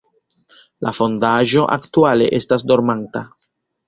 La fondaĵo aktuale estas dormanta.